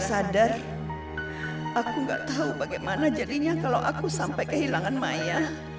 sadar aku nggak tahu bagaimana jadinya kalau aku sampai kehilangan maya